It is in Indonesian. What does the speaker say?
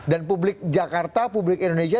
dan publik jakarta publik indonesia